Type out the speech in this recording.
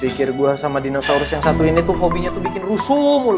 pikir gue sama dinosaurus yang satu ini tuh hobinya tuh bikin rusuh